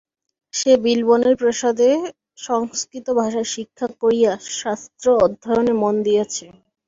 সে বিলবনের প্রসাদে সংস্কৃত ভাষা শিক্ষা করিয়া শাস্ত্র-অধ্যয়নে মন দিয়াছে।